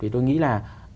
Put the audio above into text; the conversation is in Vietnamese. tôi nghĩ là